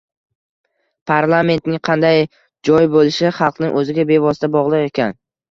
– parlamentning qanday joy bo‘lishi xalqning o‘ziga bevosita bog‘liq ekan.